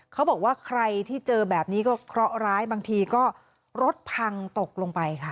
เขาบอกว่าใครที่เจอแบบนี้ก็เคราะห์ร้ายบางทีก็รถพังตกลงไปค่ะ